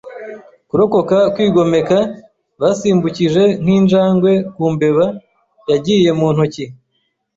kurokoka kwigomeka. Basimbukije nk'injangwe ku mbeba. Yagiye mu ntoki